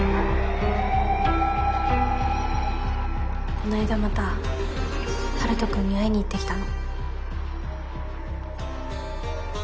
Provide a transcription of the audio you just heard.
こないだまた陽斗君に会いに行ってきたの。